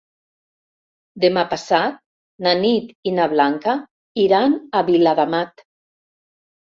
Demà passat na Nit i na Blanca iran a Viladamat.